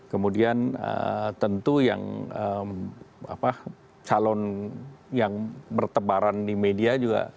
kemudian tentu yang calon yang bertebaran di media juga